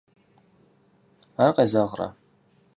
Ар къезэгърэ?